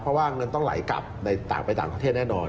เพราะว่าเงินต้องไหลกลับในต่างไปต่างประเทศแน่นอน